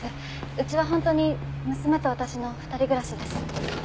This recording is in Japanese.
うちは本当に娘と私の二人暮らしです。